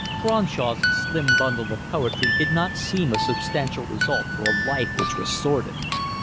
Cronshaw's slim bundle of poetry did not seem a substantial result for a life which was sordid.